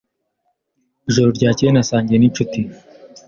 Ijoro ryakeye nasangiye ninshuti.